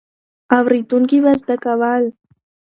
اورېدونکي به زده کول.